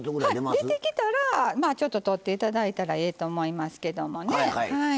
出てきたら取って頂いたらええと思いますけどもね。